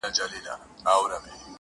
ځوان لگيا دی.